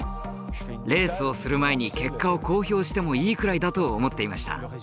レースをする前に結果を公表してもいいくらいだと思っていました。